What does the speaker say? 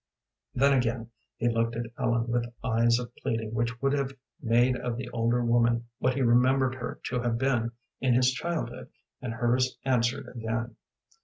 Then again he looked at Ellen with eyes of pleading which would have made of the older woman what he remembered her to have been in his childhood, and hers answered again.